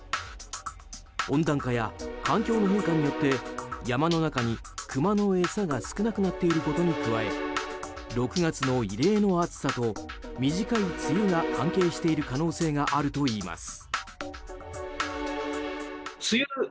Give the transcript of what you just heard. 温暖化や環境の変化によって山の中にクマの餌が少なくなっていることに加え６月の異例の暑さと短い梅雨が関係している可能性があるといいます。